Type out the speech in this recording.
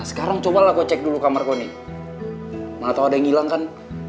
sekarang cobalah aku cek dulu kamar kau nih mana tau ada yang ngilang kan